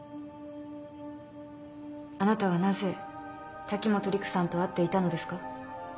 あなたはなぜ滝本陸さんと会っていたのですか。